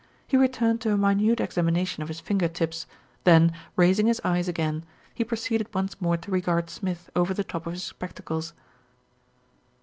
He returned to a minute examina tion of his finger tips, then, raising his eyes again, he proceeded once more to regard Smith over the top of his spectacles.